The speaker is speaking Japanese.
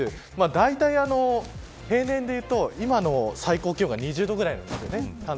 だいたい平年でいうと今の最高気温が２０度ぐらいなんですね。